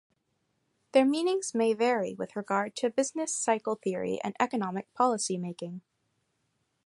Their meanings may vary with regard to business cycle theory and economic policy making.